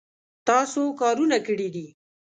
تاسو کارونه کړي دي